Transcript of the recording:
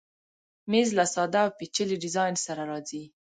مېز له ساده او پیچلي ډیزاین سره راځي.